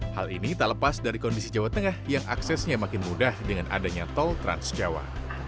hal ini tak lepas dari kondisi jawa tengah yang aksesnya makin mudah dengan adanya tol trans jawa